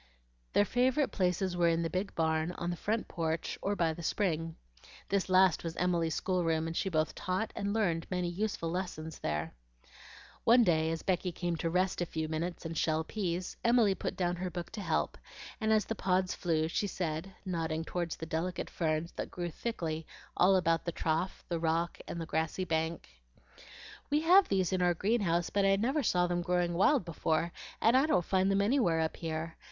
Their favorite places were in the big barn, on the front porch, or by the spring. This last was Emily's schoolroom, and she both taught and learned many useful lessons there. One day as Becky came to rest a few minutes and shell peas, Emily put down her book to help; and as the pods flew, she said, nodding toward the delicate ferns that grew thickly all about the trough, the rock, and the grassy bank, "We have these in our greenhouse, but I never saw them growing wild before, and I don't find them anywhere up here.